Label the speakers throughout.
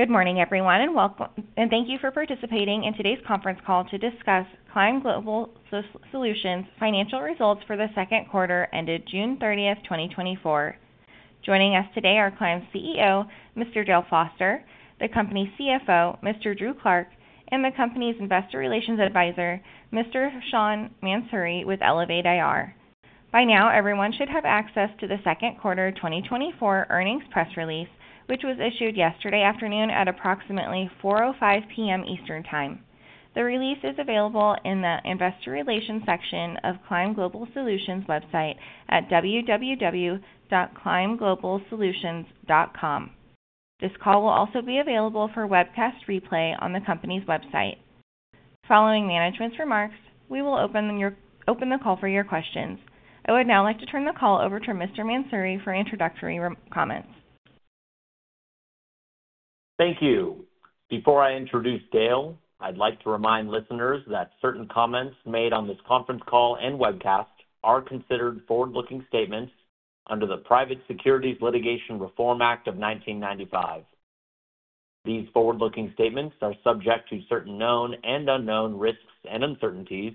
Speaker 1: Good morning, everyone, and welcome, and thank you for participating in today's conference call to discuss Climb Global Solutions financial results for the second quarter ended June 30, 2024. Joining us today are Climb's CEO, Mr. Dale Foster, the company's CFO, Mr. Drew Clark, and the company's investor relations advisor, Mr. Sean Mansouri, with Elevate IR. By now, everyone should have access to the second quarter 2024 earnings press release, which was issued yesterday afternoon at approximately 4:05 P.M. Eastern Time. The release is available in the Investor Relations section of Climb Global Solutions website at www.climbglobalsolutions.com. This call will also be available for webcast replay on the company's website. Following management's remarks, we will open the call for your questions. I would now like to turn the call over to Mr. Mansouri for introductory comments.
Speaker 2: Thank you. Before I introduce Dale, I'd like to remind listeners that certain comments made on this conference call and webcast are considered forward-looking statements under the Private Securities Litigation Reform Act of 1995. These forward-looking statements are subject to certain known and unknown risks and uncertainties,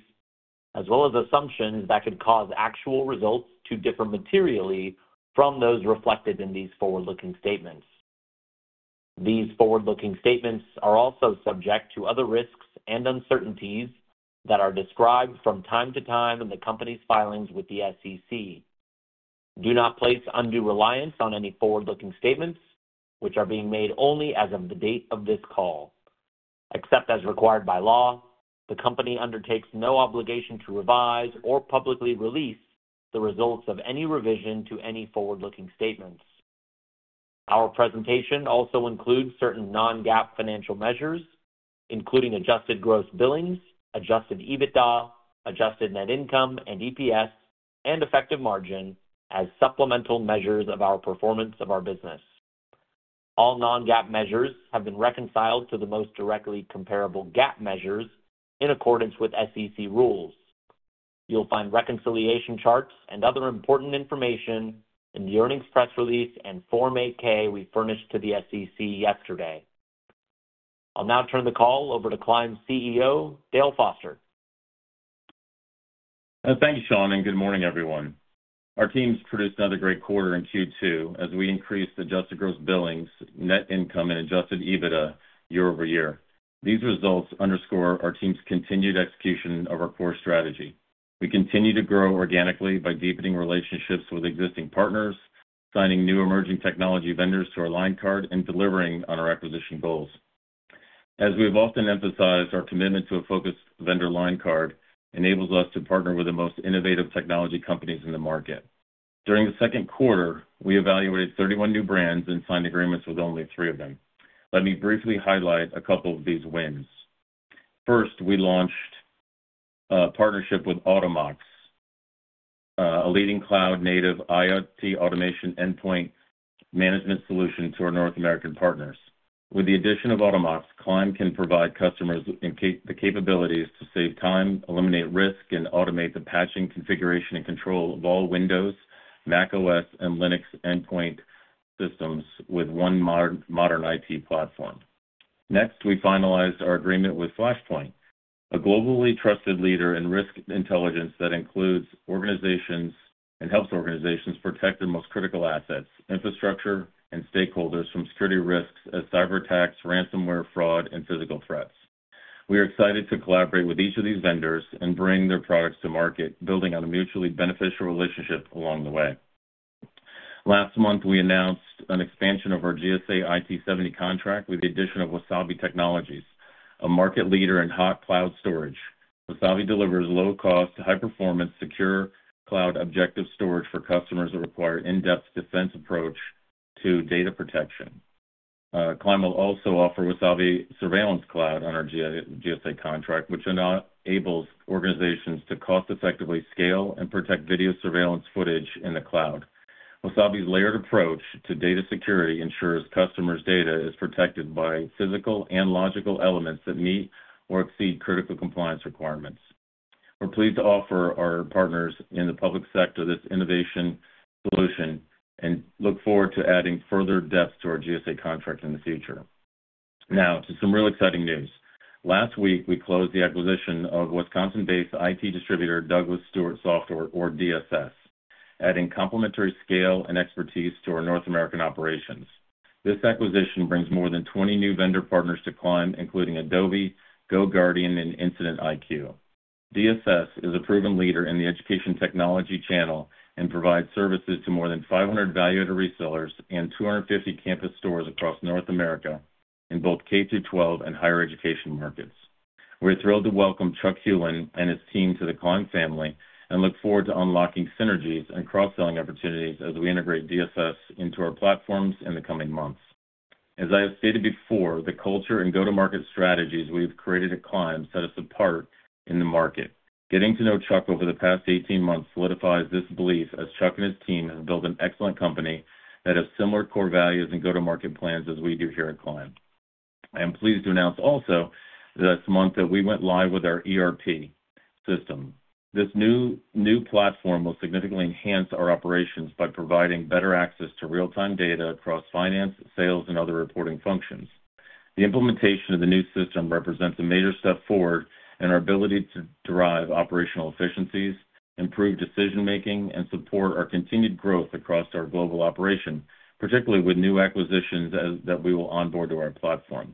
Speaker 2: as well as assumptions that could cause actual results to differ materially from those reflected in these forward-looking statements. These forward-looking statements are also subject to other risks and uncertainties that are described from time to time in the company's filings with the SEC. Do not place undue reliance on any forward-looking statements, which are being made only as of the date of this call. Except as required by law, the company undertakes no obligation to revise or publicly release the results of any revision to any forward-looking statements. Our presentation also includes certain non-GAAP financial measures, including adjusted gross billings, adjusted EBITDA, adjusted net income and EPS, and effective margin as supplemental measures of our performance of our business. All non-GAAP measures have been reconciled to the most directly comparable GAAP measures in accordance with SEC rules. You'll find reconciliation charts and other important information in the earnings press release and Form 8-K we furnished to the SEC yesterday. I'll now turn the call over to Climb's CEO, Dale Foster.
Speaker 3: Thank you, Sean, and good morning, everyone. Our teams produced another great quarter in Q2 as we increased adjusted gross billings, net income, and adjusted EBITDA year-over-year. These results underscore our team's continued execution of our core strategy. We continue to grow organically by deepening relationships with existing partners, signing new emerging technology vendors to our line card, and delivering on our acquisition goals. As we've often emphasized, our commitment to a focused vendor line card enables us to partner with the most innovative technology companies in the market. During the second quarter, we evaluated 31 new brands and signed agreements with only 3 of them. Let me briefly highlight a couple of these wins. First, we launched a partnership with Automox, a leading cloud-native IoT automation endpoint management solution to our North American partners. With the addition of Automox, Climb can provide customers in the capabilities to save time, eliminate risk, and automate the patching, configuration, and control of all Windows, macOS, and Linux endpoint systems with one modern IT platform. Next, we finalized our agreement with Flashpoint, a globally trusted leader in risk intelligence that includes organizations, and helps organizations protect their most critical assets, infrastructure, and stakeholders from security risks as cyberattacks, ransomware, fraud, and physical threats. We are excited to collaborate with each of these vendors and bring their products to market, building on a mutually beneficial relationship along the way. Last month, we announced an expansion of our GSA IT-70 contract with the addition of Wasabi Technologies, a market leader in hot cloud storage. Wasabi delivers low-cost, high-performance, secure cloud object storage for customers that require in-depth defense approach to data protection. Climb will also offer Wasabi Surveillance Cloud on our GSA contract, which enables organizations to cost-effectively scale and protect video surveillance footage in the cloud. Wasabi's layered approach to data security ensures customers' data is protected by physical and logical elements that meet or exceed critical compliance requirements. We're pleased to offer our partners in the public sector this innovative solution and look forward to adding further depth to our GSA contract in the future. Now, to some really exciting news. Last week, we closed the acquisition of Wisconsin-based IT distributor, Douglas Stewart Software, or DSS, adding complementary scale and expertise to our North American operations. This acquisition brings more than 20 new vendor partners to Climb, including Adobe, GoGuardian, and Incident IQ. DSS is a proven leader in the education technology channel and provides services to more than 500 value-added resellers and 250 campus stores across North America in both K-12 and higher education markets. We're thrilled to welcome Chuck Hulen and his team to the Climb family and look forward to unlocking synergies and cross-selling opportunities as we integrate DSS into our platforms in the coming months. As I have stated before, the culture and go-to-market strategies we've created at Climb set us apart in the market. Getting to know Chuck over the past 18 months solidifies this belief, as Chuck and his team have built an excellent company that has similar core values and go-to-market plans as we do here at Climb... I am pleased to announce also this month that we went live with our ERP system. This new platform will significantly enhance our operations by providing better access to real-time data across finance, sales, and other reporting functions. The implementation of the new system represents a major step forward in our ability to derive operational efficiencies, improve decision-making, and support our continued growth across our global operation, particularly with new acquisitions that we will onboard to our platform.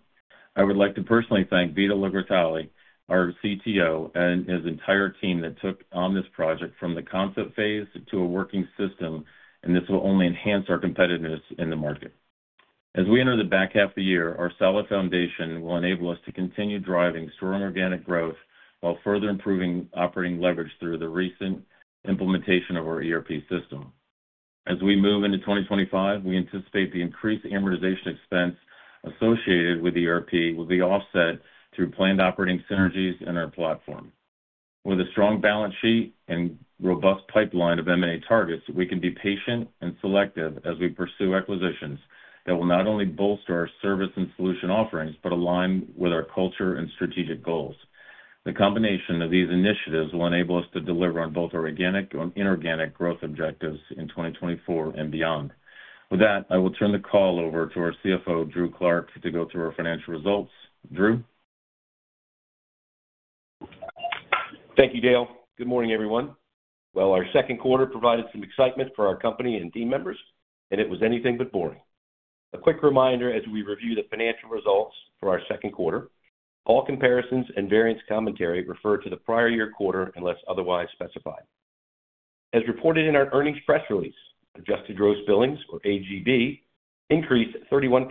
Speaker 3: I would like to personally thank Vito Legrottaglie, our CTO, and his entire team that took on this project from the concept phase to a working system, and this will only enhance our competitiveness in the market. As we enter the back half of the year, our solid foundation will enable us to continue driving strong organic growth while further improving operating leverage through the recent implementation of our ERP system. As we move into 2025, we anticipate the increased amortization expense associated with the ERP will be offset through planned operating synergies in our platform. With a strong balance sheet and robust pipeline of M&A targets, we can be patient and selective as we pursue acquisitions that will not only bolster our service and solution offerings, but align with our culture and strategic goals. The combination of these initiatives will enable us to deliver on both our organic and inorganic growth objectives in 2024 and beyond. With that, I will turn the call over to our CFO, Drew Clark, to go through our financial results. Drew?
Speaker 4: Thank you, Dale. Good morning, everyone. Well, our second quarter provided some excitement for our company and team members, and it was anything but boring. A quick reminder as we review the financial results for our second quarter, all comparisons and variance commentary refer to the prior year quarter, unless otherwise specified. As reported in our earnings press release, Adjusted Gross Billings, or AGB, increased 31%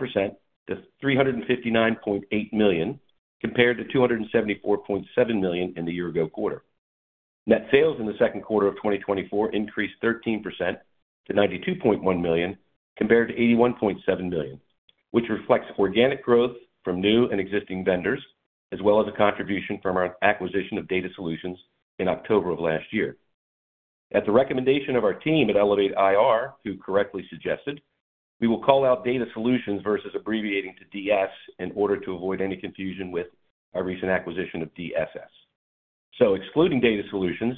Speaker 4: to $359.8 million, compared to $274.7 million in the year ago quarter. Net sales in the second quarter of 2024 increased 13% to $92.1 million, compared to $81.7 million, which reflects organic growth from new and existing vendors, as well as a contribution from our acquisition of DataSolutions in October of last year. At the recommendation of our team at Elevate IR, who correctly suggested, we will call out DataSolutions versus abbreviating to DS in order to avoid any confusion with our recent acquisition of DSS. So excluding DataSolutions,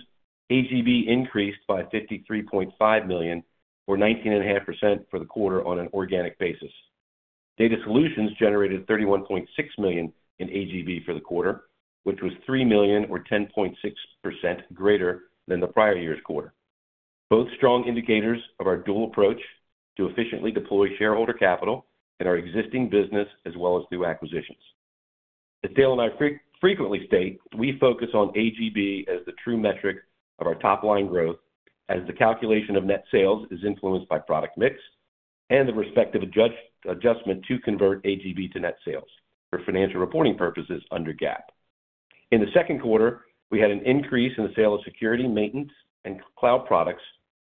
Speaker 4: AGB increased by $53.5 million, or 19.5% for the quarter on an organic basis. DataSolutions generated $31.6 million in AGB for the quarter, which was $3 million or 10.6% greater than the prior year's quarter. Both strong indicators of our dual approach to efficiently deploy shareholder capital in our existing business as well as new acquisitions. As Dale and I frequently state, we focus on AGB as the true metric of our top line growth, as the calculation of net sales is influenced by product mix and the respective adjustment to convert AGB to net sales for financial reporting purposes under GAAP. In the second quarter, we had an increase in the sale of security, maintenance, and cloud products,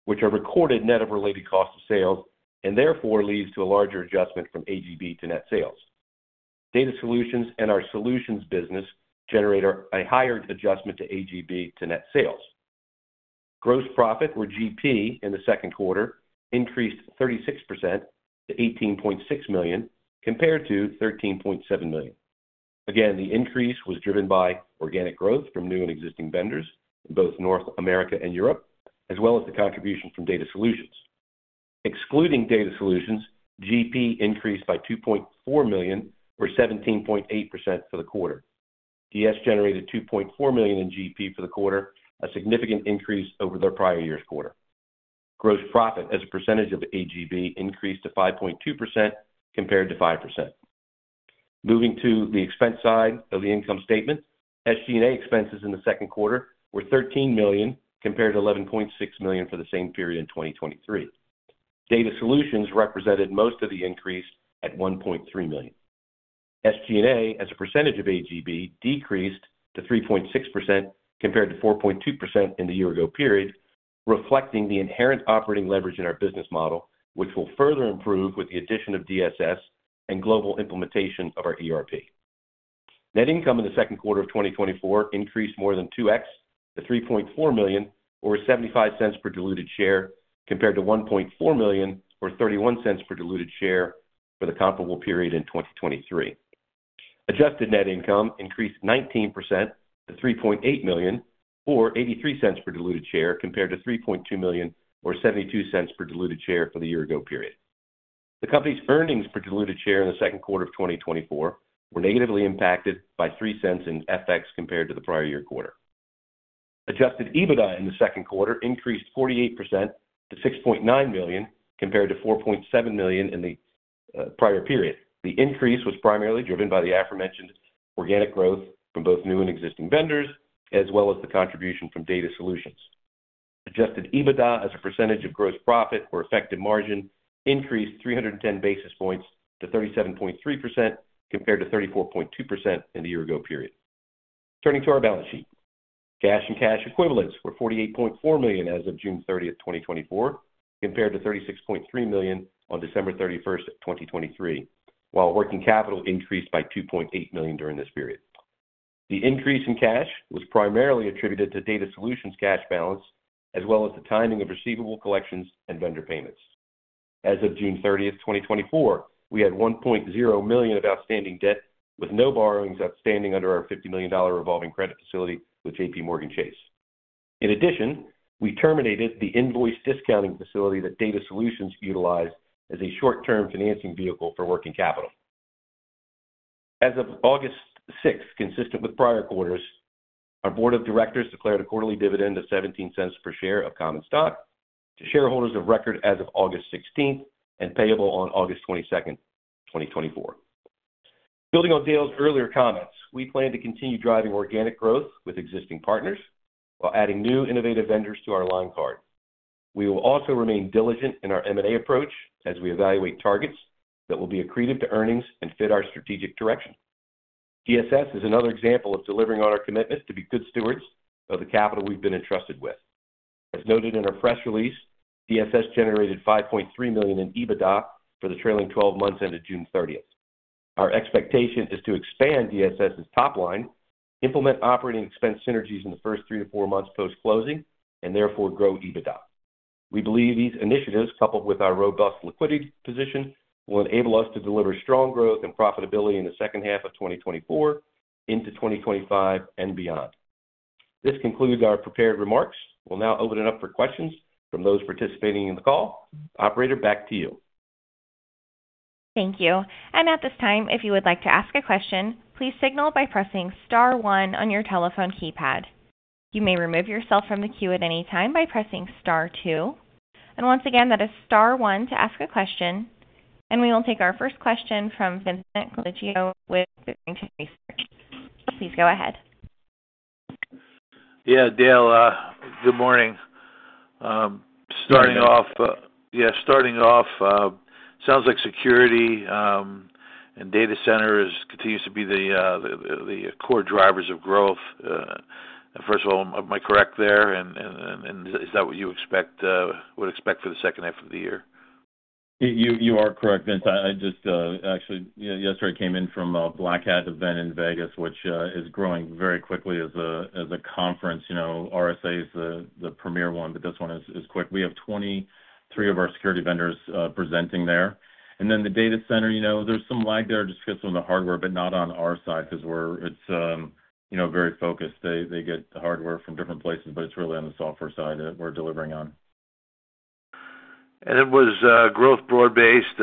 Speaker 4: which are recorded net of related cost of sales, and therefore leads to a larger adjustment from AGB to net sales. DataSolutions and our solutions business generate a higher adjustment to AGB to net sales. Gross profit, or GP, in the second quarter increased 36% to $18.6 million, compared to $13.7 million. Again, the increase was driven by organic growth from new and existing vendors in both North America and Europe, as well as the contribution from DataSolutions. Excluding DataSolutions, GP increased by $2.4 million, or 17.8% for the quarter. DS generated $2.4 million in GP for the quarter, a significant increase over the prior year's quarter. Gross profit as a percentage of AGB increased to 5.2% compared to 5%. Moving to the expense side of the income statement, SG&A expenses in the second quarter were $13 million compared to $11.6 million for the same period in 2023. DataSolutions represented most of the increase at $1.3 million. SG&A, as a percentage of AGB, decreased to 3.6% compared to 4.2% in the year ago period, reflecting the inherent operating leverage in our business model, which will further improve with the addition of DSS and global implementation of our ERP. Net income in the second quarter of 2024 increased more than 2x to $3.4 million, or $0.75 per diluted share, compared to $1.4 million, or $0.31 per diluted share for the comparable period in 2023. Adjusted net income increased 19% to $3.8 million, or $0.83 per diluted share, compared to $3.2 million, or $0.72 per diluted share for the year ago period. The company's earnings per diluted share in the second quarter of 2024 were negatively impacted by $0.03 in FX compared to the prior year quarter. Adjusted EBITDA in the second quarter increased 48% to $6.9 million, compared to $4.7 million in the prior period. The increase was primarily driven by the aforementioned organic growth from both new and existing vendors, as well as the contribution from DataSolutions. Adjusted EBITDA as a percentage of gross profit or effective margin increased 310 basis points to 37.3%, compared to 34.2% in the year ago period. Turning to our balance sheet. Cash and cash equivalents were $48.4 million as of June 30, 2024, compared to $36.3 million on December 31, 2023, while working capital increased by $2.8 million during this period. ...The increase in cash was primarily attributed to DataSolutions' cash balance, as well as the timing of receivable collections and vendor payments. As of June 30, 2024, we had $1.0 million of outstanding debt, with no borrowings outstanding under our $50 million revolving credit facility with JPMorgan Chase. In addition, we terminated the invoice discounting facility that DataSolutions utilized as a short-term financing vehicle for working capital. As of August 6, consistent with prior quarters, our board of directors declared a quarterly dividend of $0.17 per share of common stock to shareholders of record as of August 16 and payable on August 22, 2024. Building on Dale's earlier comments, we plan to continue driving organic growth with existing partners while adding new innovative vendors to our line card. We will also remain diligent in our M&A approach as we evaluate targets that will be accretive to earnings and fit our strategic direction. DSS is another example of delivering on our commitment to be good stewards of the capital we've been entrusted with. As noted in our press release, DSS generated $5.3 million in EBITDA for the trailing 12 months ended June thirtieth. Our expectation is to expand DSS' top line, implement operating expense synergies in the first 3-4 months post-closing, and therefore, grow EBITDA. We believe these initiatives, coupled with our robust liquidity position, will enable us to deliver strong growth and profitability in the second half of 2024 into 2025 and beyond. This concludes our prepared remarks. We'll now open it up for questions from those participating in the call. Operator, back to you.
Speaker 1: Thank you. And at this time, if you would like to ask a question, please signal by pressing star one on your telephone keypad. You may remove yourself from the queue at any time by pressing star two. And once again, that is star one to ask a question, and we will take our first question from Vincent Colicchio with Barrington Research. Please go ahead.
Speaker 5: Yeah, Dale, good morning. Starting off, sounds like security and data center is continues to be the core drivers of growth. First of all, am I correct there? And is that what you expect, would expect for the second half of the year?
Speaker 3: You are correct, Vince. I just actually yesterday came in from a Black Hat event in Vegas, which is growing very quickly as a conference. You know, RSA is the premier one, but this one is quick. We have 23 of our security vendors presenting there. And then the data center, you know, there's some lag there, just because some of the hardware, but not on our side, 'cause we're you know, very focused. They get the hardware from different places, but it's really on the software side that we're delivering on.
Speaker 5: Was growth broad-based?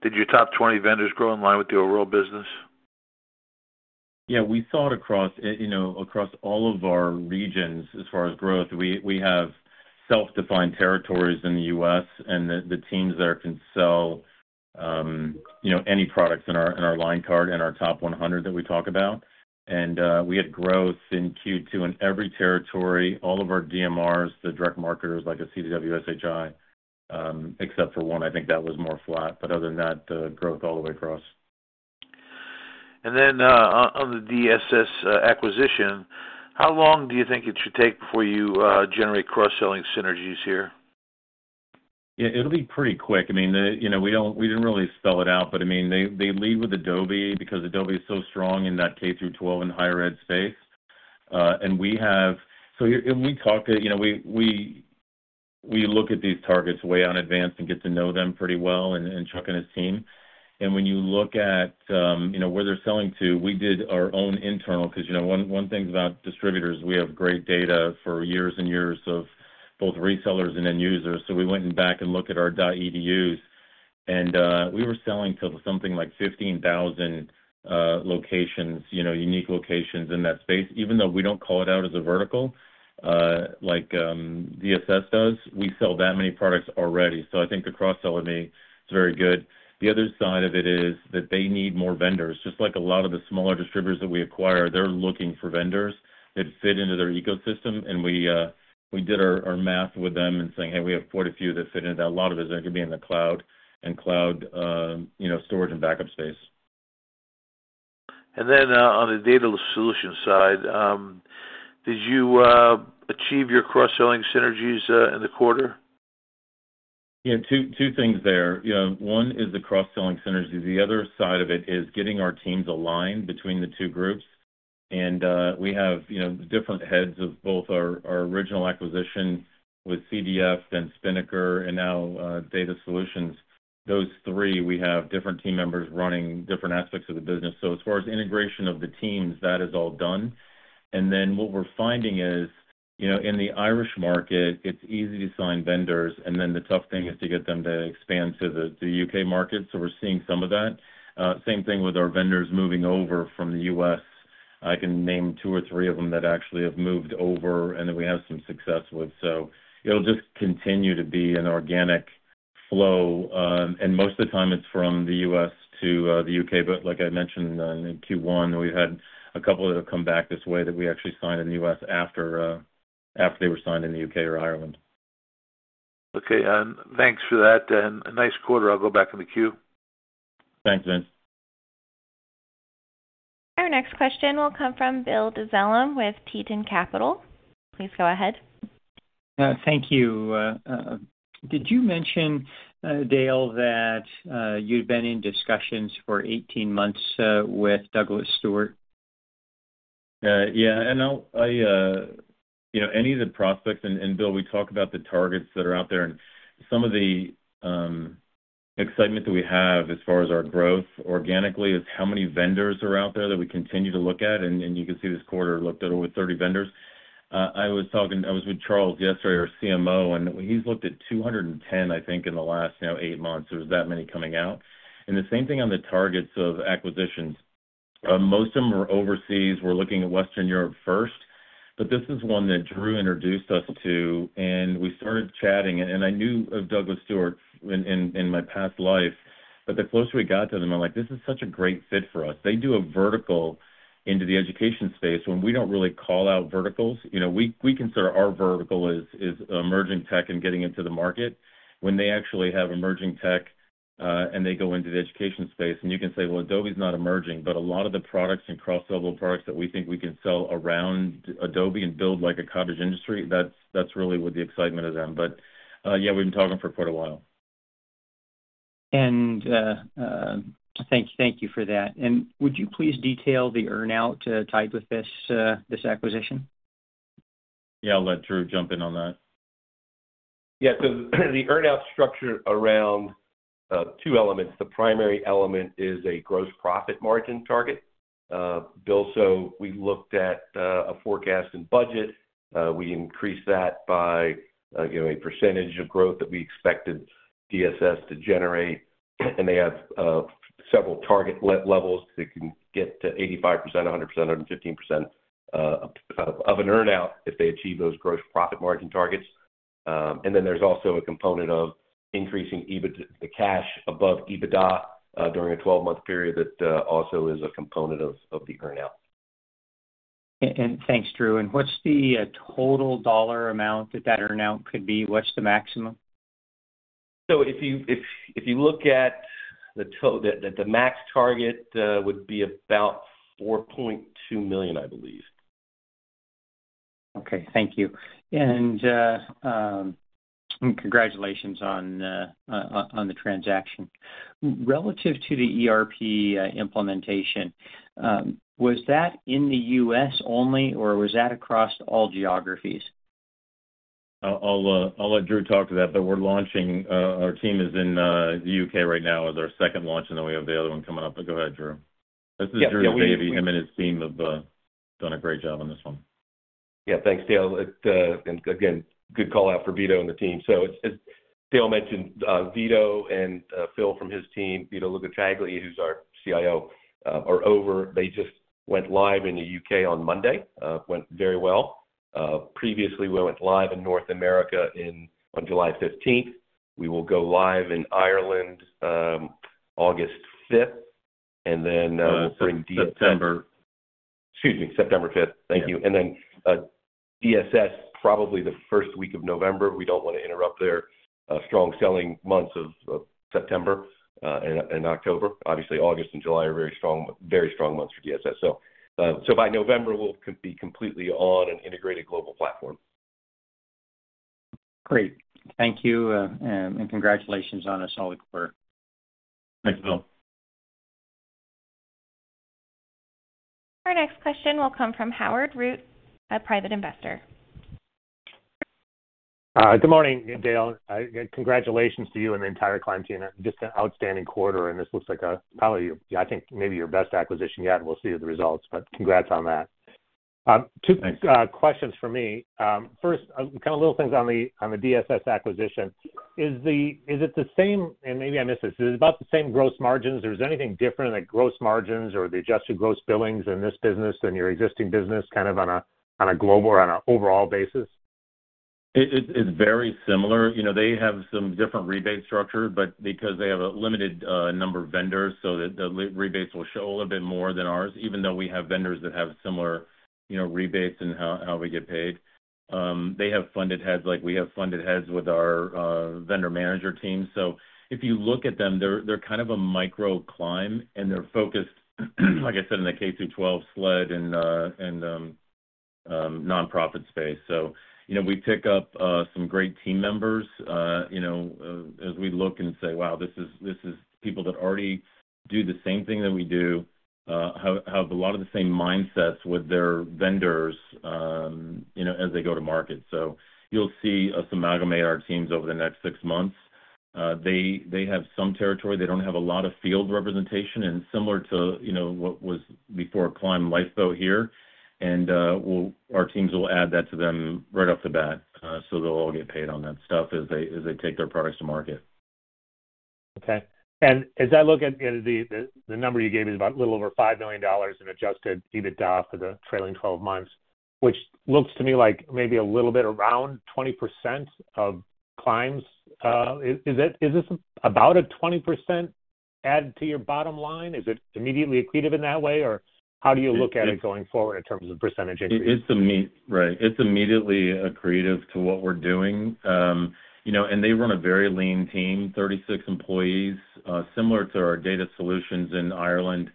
Speaker 5: Did your top 20 vendors grow in line with your overall business?
Speaker 3: Yeah, we saw it across, you know, across all of our regions as far as growth. We have self-defined territories in the U.S., and the teams there can sell, you know, any products in our line card, in our top 100 that we talk about. We had growth in Q2 in every territory, all of our DMRs, the direct marketers, like CDW, SHI, except for one, I think that was more flat, but other than that, growth all the way across.
Speaker 5: And then, on the DSS acquisition, how long do you think it should take before you generate cross-selling synergies here?
Speaker 3: Yeah, it'll be pretty quick. I mean, you know, we don't, we didn't really spell it out, but I mean, they lead with Adobe because Adobe is so strong in that K-12 and higher ed space. And we have. So we talk to, you know, we look at these targets way in advance and get to know them pretty well, and Chuck and his team. And when you look at, you know, where they're selling to, we did our own internal, 'cause, you know, one thing about distributors, we have great data for years and years of both resellers and end users. So we went back and looked at our .edus, and we were selling to something like 15,000 locations, you know, unique locations in that space. Even though we don't call it out as a vertical, like, DSS does, we sell that many products already. So I think the cross-selling is very good. The other side of it is that they need more vendors. Just like a lot of the smaller distributors that we acquire, they're looking for vendors that fit into their ecosystem, and we did our math with them and saying, "Hey, we have quite a few that fit into that." A lot of it is gonna be in the cloud and cloud, you know, storage and backup space.
Speaker 5: Then, on the DataSolutions side, did you achieve your cross-selling synergies in the quarter?
Speaker 3: Yeah, two, two things there. You know, one is the cross-selling synergies. The other side of it is getting our teams aligned between the two groups. And, we have, you know, different heads of both our original acquisition with CDF, then Spinnaker, and now, DataSolutions. Those three, we have different team members running different aspects of the business. So as far as integration of the teams, that is all done. And then what we're finding is, you know, in the Irish market, it's easy to sign vendors, and then the tough thing is to get them to expand to the UK market. So we're seeing some of that. Same thing with our vendors moving over from the US. I can name two or three of them that actually have moved over and that we have some success with. So it'll just continue to be an organic flow, and most of the time it's from the U.S. to the U.K.. But like I mentioned, in Q1, we've had a couple that have come back this way that we actually signed in the U.S. after they were signed in the UK or Ireland.
Speaker 5: Okay, and thanks for that, and a nice quarter. I'll go back in the queue.
Speaker 3: Thanks, Vince.
Speaker 1: Our next question will come from Bill Dezellem with Tieton Capital Management. Please go ahead....
Speaker 6: Thank you. Did you mention, Dale, that you'd been in discussions for 18 months with Douglas Stewart?
Speaker 3: Yeah, and I'll, you know, any of the prospects, and, and Bill, we talk about the targets that are out there, and some of the excitement that we have as far as our growth organically, is how many vendors are out there that we continue to look at, and, and you can see this quarter looked at over 30 vendors. I was talking. I was with Charles yesterday, our CMO, and he's looked at 210, I think, in the last, you know, eight months. There was that many coming out. And the same thing on the targets of acquisitions. Most of them are overseas. We're looking at Western Europe first, but this is one that Drew introduced us to, and we started chatting, and I knew of Douglas Stewart in my past life. But the closer we got to them, I'm like: This is such a great fit for us. They do a vertical into the education space, when we don't really call out verticals. You know, we, we consider our vertical as, as emerging tech and getting into the market, when they actually have emerging tech, and they go into the education space. And you can say, well, Adobe's not emerging, but a lot of the products and cross-level products that we think we can sell around Adobe and build like a cottage industry, that's, that's really where the excitement is in. But, yeah, we've been talking for quite a while.
Speaker 6: Thank you for that. Would you please detail the earn-out tied with this acquisition?
Speaker 3: Yeah, I'll let Drew jump in on that.
Speaker 4: Yeah. So the earn-out structure around two elements. The primary element is a gross profit margin target. Bill, so we looked at a forecast and budget. We increased that by, you know, a percentage of growth that we expected DSS to generate. And they have several target levels. They can get to 85%, 100%, 115% of an earn-out if they achieve those gross profit margin targets. And then there's also a component of increasing EBIT—the cash above EBITDA during a twelve-month period, that also is a component of the earn-out.
Speaker 6: Thanks, Drew. What's the total dollar amount that that earn-out could be? What's the maximum?
Speaker 4: So if you look at the max target would be about $4.2 million, I believe.
Speaker 6: Okay. Thank you. Congratulations on the transaction. Relative to the ERP implementation, was that in the U.S. only, or was that across all geographies?
Speaker 3: I'll let Drew talk to that, but we're launching. Our team is in the UK right now as our second launch, and then we have the other one coming up. But go ahead, Drew.
Speaker 4: Yeah, yeah, we-
Speaker 3: This is Drew's baby. Him and his team have done a great job on this one.
Speaker 4: Yeah. Thanks, Dale. It's, and again, good call out for Vito and the team. So as Dale mentioned, Vito and Phil from his team, Vito Legrottaglie, who's our CIO, are over. They just went live in the U.K. on Monday, went very well. Previously, we went live in North America on July fifteenth. We will go live in Ireland August fifth, and then we'll bring-
Speaker 3: September.
Speaker 4: Excuse me, September fifth.
Speaker 3: Yeah.
Speaker 4: Thank you. And then, DSS, probably the first week of November. We don't want to interrupt their strong selling months of September and October. Obviously, August and July are very strong, very strong months for DSS. So, by November, we'll be completely on an integrated global platform.
Speaker 6: Great. Thank you, and congratulations on a solid quarter.
Speaker 4: Thanks, Bill.
Speaker 1: Our next question will come from Howard Root, a private investor.
Speaker 7: Good morning, Dale. Congratulations to you and the entire Climb team. Just an outstanding quarter, and this looks like, probably, I think, maybe your best acquisition yet, and we'll see the results. But congrats on that.
Speaker 3: Thanks.
Speaker 7: Two questions for me. First, kind of little things on the, on the DSS acquisition. Is it the same, and maybe I missed this, is it about the same gross margins? Or is there anything different in the gross margins or the adjusted gross billings in this business than your existing business, kind of on a, on a global or on an overall basis?
Speaker 3: It's very similar. You know, they have some different rebate structure, but because they have a limited number of vendors, so the rebates will show a little bit more than ours, even though we have vendors that have similar, you know, rebates in how we get paid. They have funded heads like we have funded heads with our vendor manager team. So if you look at them, they're kind of a micro Climb, and they're focused, like I said, in the K-12 SLED and nonprofit space. So, you know, we pick up some great team members, you know, as we look and say: Wow, this is people that already do the same thing that we do, have a lot of the same mindsets with their vendors, you know, as they go to market. You'll see us amalgamate our teams over the next six months. They have some territory. They don't have a lot of field representation, and similar to, you know, what was before Climb Lifeboat here, and we'll, our teams will add that to them right off the bat, so they'll all get paid on that stuff as they take their products to market.
Speaker 7: Okay. As I look at, you know, the number you gave is about a little over $5 million in Adjusted EBITDA for the trailing twelve months, which looks to me like maybe a little bit around 20% of Climb's. Is this about a 20% add to your bottom line? Is it immediately accretive in that way, or how do you look at it going forward in terms of percentage increase?
Speaker 3: It's immediately accretive to what we're doing. You know, and they run a very lean team, 36 employees, similar to our DataSolutions in Ireland,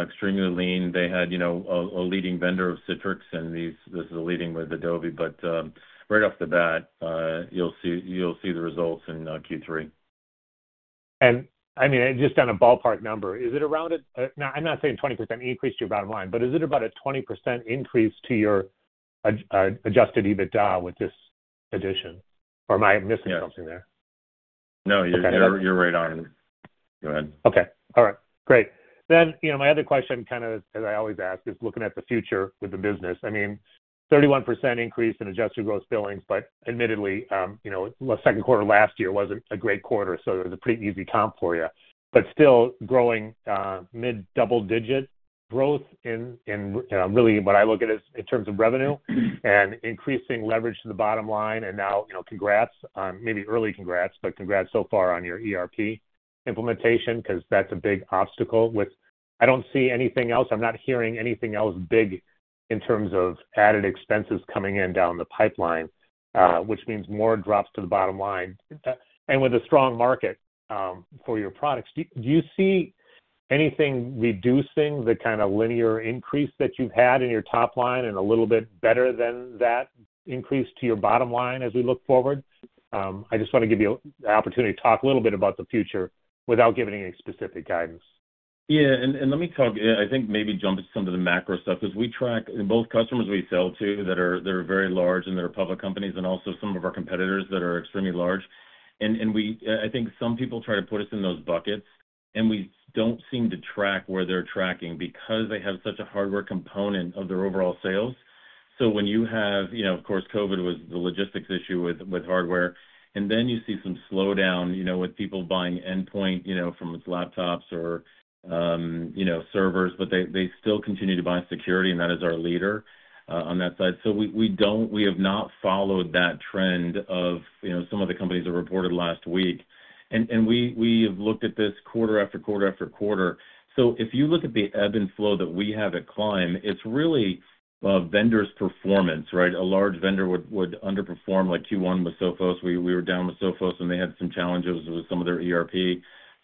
Speaker 3: extremely lean. They had, you know, a leading vendor of Citrix, and this is a leading with Adobe. But, right off the bat, you'll see the results in Q3....
Speaker 7: And I mean, just on a ballpark number, is it around a, now I'm not saying 20% increase to your bottom line, but is it about a 20% increase to your adj, adjusted EBITDA with this addition, or am I missing something there?
Speaker 3: No, you're, you're right on. Go ahead.
Speaker 7: Okay, all right. Great. Then, you know, my other question, kind of, as I always ask, is looking at the future with the business. I mean, 31% increase in Adjusted Gross Billings, but admittedly, you know, the second quarter last year wasn't a great quarter, so it was a pretty easy comp for you. But still growing, mid-double-digit growth in, you know, really what I look at is in terms of revenue and increasing leverage to the bottom line. And now, you know, congrats, maybe early congrats, but congrats so far on your ERP implementation, 'cause that's a big obstacle with—I don't see anything else. I'm not hearing anything else big in terms of added expenses coming in down the pipeline, which means more drops to the bottom line. And with a strong market for your products, do you see anything reducing the kind of linear increase that you've had in your top line and a little bit better than that increase to your bottom line as we look forward? I just wanna give you the opportunity to talk a little bit about the future without giving any specific guidance.
Speaker 3: Yeah, and let me talk, I think, maybe jump into some of the macro stuff, 'cause we track both customers we sell to that are, that are very large, and they're public companies and also some of our competitors that are extremely large. And I think some people try to put us in those buckets, and we don't seem to track where they're tracking because they have such a hardware component of their overall sales. So when you have... You know, of course, COVID was the logistics issue with hardware, and then you see some slowdown, you know, with people buying endpoint, you know, from laptops or, you know, servers, but they still continue to buy security, and that is our leader on that side. So we don't, we have not followed that trend of, you know, some of the companies that reported last week. We have looked at this quarter after quarter after quarter. So if you look at the ebb and flow that we have at Climb, it's really a vendor's performance, right? A large vendor would underperform, like Q1 with Sophos. We were down with Sophos, and they had some challenges with some of their ERP.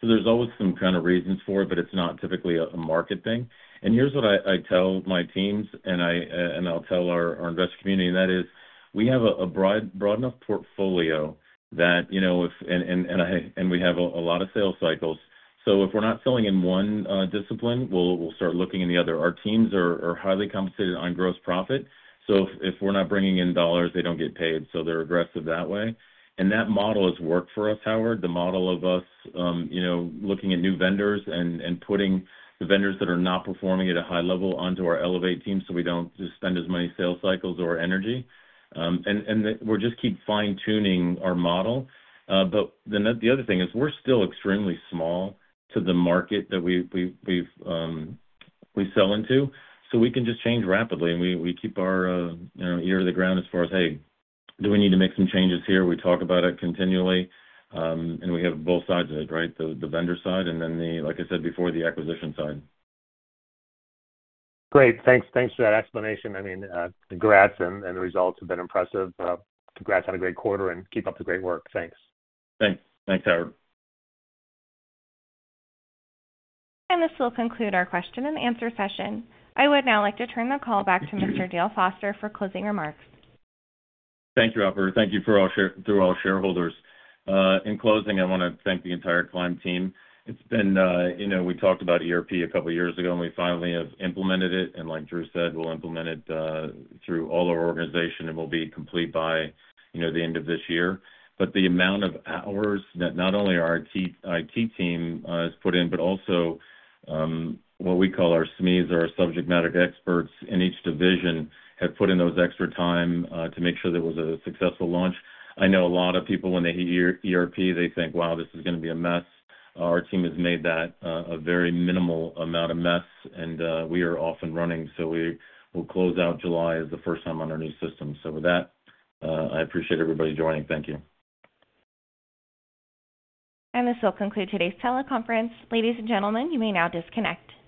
Speaker 3: So there's always some kind of reasons for it, but it's not typically a market thing. And here's what I tell my teams, and I'll tell our investor community, and that is, we have a broad enough portfolio that, you know, if and we have a lot of sales cycles, so if we're not selling in one discipline, we'll start looking in the other. Our teams are highly compensated on gross profit, so if we're not bringing in dollars, they don't get paid, so they're aggressive that way. And that model has worked for us, Howard, the model of us, you know, looking at new vendors and putting the vendors that are not performing at a high level onto our elevate team, so we don't just spend as many sales cycles or energy. And then we're just keep fine-tuning our model. But then the other thing is we're still extremely small to the market that we sell into, so we can just change rapidly, and we keep our, you know, ear to the ground as far as, Hey, do we need to make some changes here? We talk about it continually, and we have both sides of it, right? The vendor side and then the, like I said before, the acquisition side.
Speaker 7: Great. Thanks. Thanks for that explanation. I mean, congrats, and the results have been impressive. Congrats on a great quarter, and keep up the great work. Thanks.
Speaker 3: Thanks. Thanks, Howard.
Speaker 1: This will conclude our question and answer session. I would now like to turn the call back to Mr. Dale Foster for closing remarks.
Speaker 3: Thank you, Operator. Thank you to all shareholders. In closing, I wanna thank the entire Climb team. It's been, you know, we talked about ERP a couple of years ago, and we finally have implemented it. And like Drew said, we'll implement it through all our organization, and we'll be complete by, you know, the end of this year. But the amount of hours that not only our IT team has put in, but also what we call our SMEs, our subject matter experts in each division, have put in those extra time to make sure that it was a successful launch. I know a lot of people, when they hear ERP, they think, Wow, this is gonna be a mess. Our team has made that a very minimal amount of mess, and we are off and running, so we will close out July as the first time on our new system. So with that, I appreciate everybody joining. Thank you.
Speaker 1: This will conclude today's teleconference. Ladies and gentlemen, you may now disconnect.